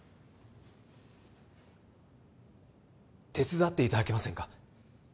手伝っていただけませんか？